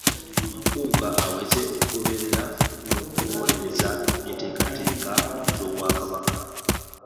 Mpuuga aweze okugoberera n'okuwolereza enteekateeka z'Obwakabaka